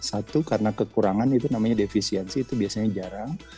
satu karena kekurangan itu namanya defisiensi itu biasanya jarang